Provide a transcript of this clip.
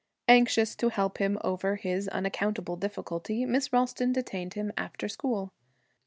Anxious to help him over his unaccountable difficulty, Miss Ralston detained him after school.